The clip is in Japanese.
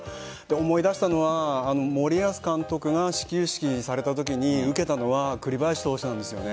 思い出したのは森保監督が始球式をされたときに受けたのは栗林投手なんです。